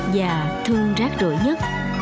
và thương rác rưỡi nhất